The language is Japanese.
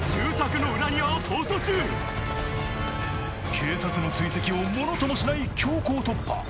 警察の追跡をものともしない強行突破！